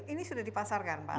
ini sudah dipasarkan pak